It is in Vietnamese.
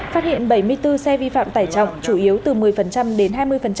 phát hiện bảy mươi bốn xe vi phạm tải trọng chủ yếu từ một mươi đến hai mươi